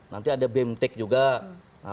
nanti ada bemtek juga